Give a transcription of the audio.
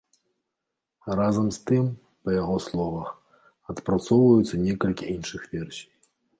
Разам з тым, па яго словах, адпрацоўваюцца некалькі іншых версій.